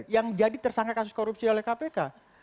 yang jadi tersangka kasus korupsi oleh kpk